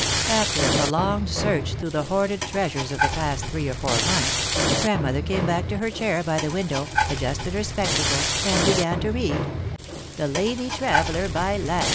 After a prolonged search through the hoarded treasures of the past three or four months, Grandmother came back to her chair by the window, adjusted her spectacles, and began to read "The Lady Traveller by Land."